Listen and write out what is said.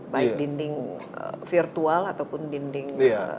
baik dinding virtual ataupun dinding